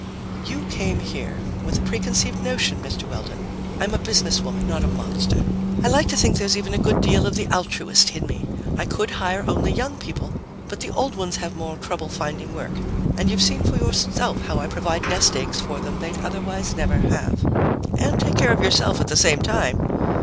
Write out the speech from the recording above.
"You came here with a preconceived notion, Mr. Weldon. I'm a businesswoman, not a monster. I like to think there's even a good deal of the altruist in me. I could hire only young people, but the old ones have more trouble finding work. And you've seen for yourself how I provide nest eggs for them they'd otherwise never have." "And take care of yourself at the same time."